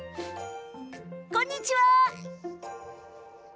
こんにちは。